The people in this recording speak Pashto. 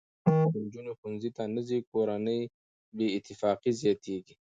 که نجونې ښوونځي ته نه ځي، کورني بې اتفاقي زیاتېږي.